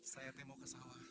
saya teh mau ke sawah